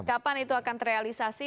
kapan itu akan terrealisasi